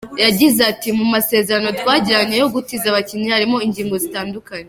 Yagize ati “Mu masezerano twagiranye yo gutiza abakinnyi harimo ingingo zitandukanye.